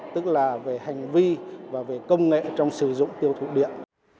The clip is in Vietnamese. tức là về hành vi và về công nghệ trong sử dụng tiêu thụ điện